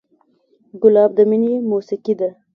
ګلاب د مینې موسیقي ده.